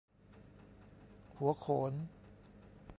หัวโขน